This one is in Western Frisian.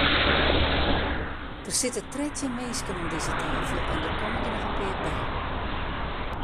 Der sitte trettjin minsken om dizze tafel en der komme noch in pear by.